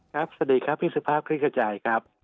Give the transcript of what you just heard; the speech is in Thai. ครับสวัสดีครับพี่สุภาพพี่กระจายครับ